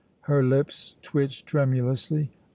Her lips twitched tremulously.